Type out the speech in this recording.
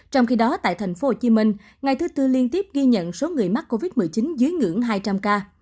trong khi đó tại thành phố hồ chí minh ngày thứ tư liên tiếp ghi nhận số người mắc covid một mươi chín dưới ngưỡng hai trăm linh ca